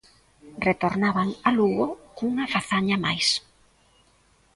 Retornaban a Lugo cunha fazaña máis.